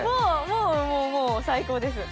もうもう最高です。